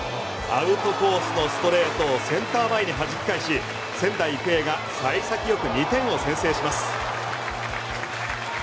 ストレートをセンター前にはじき返し仙台育英が幸先よく２点を先制します。